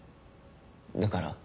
だから。